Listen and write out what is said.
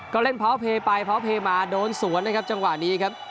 ก็เล่นเพาะเพย์ไปเพาะเพมาโดนสวนนะครับจังหวะนี้ครับ